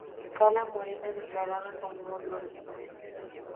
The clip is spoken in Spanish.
Cala Morena: declarada como nudista